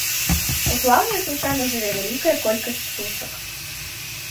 У плаўнях звычайна жыве вялікая колькасць птушак.